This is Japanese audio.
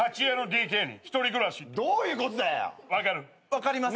分かります。